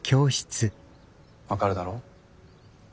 分かるだろ？